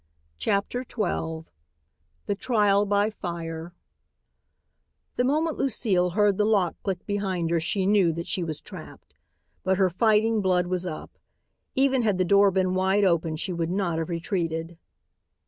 CHAPTER XII THE TRIAL BY FIRE The moment Lucile heard the lock click behind her she knew that she was trapped. But her fighting blood was up. Even had the door been wide open she would not have retreated.